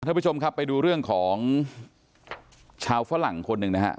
ท่านผู้ชมครับไปดูเรื่องของชาวฝรั่งคนหนึ่งนะฮะ